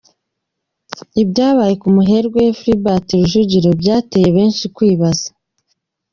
Ibyabaye ku muherwe Tribert Rujugiro byateye benshi kwibaza.